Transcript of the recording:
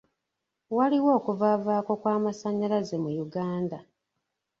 Waliwo okuvavaako kw'amasannyalaze mu Uganda.